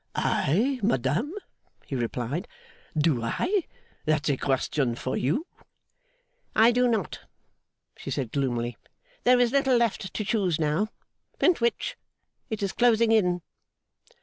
'I, madame,' he replied, 'do I? That's a question for you.' 'I do not,' she said, gloomily. 'There is little left to choose now. Flintwinch, it is closing in.